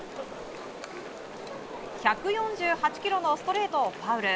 １４８キロのストレートをファウル。